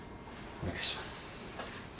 お願いします。